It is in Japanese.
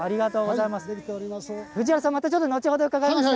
藤原さん、また後ほど伺います。